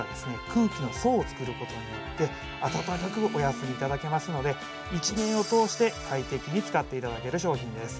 空気の層を作ることによって暖かくお休みいただけますので１年を通して快適に使っていただける商品です